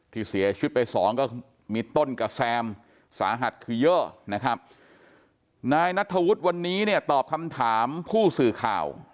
ที่เสียชีวิตไปสองก็มีต้นกระแซมสาหัสคือเยอะนะครับนายนัทธวุฒิวันนี้เนี่ยตอบคำถามผู้สื่อข่าว